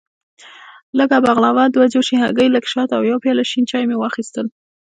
لږه بغلاوه، دوه جوشې هګۍ، لږ شات او یو پیاله شین چای مې واخیستل.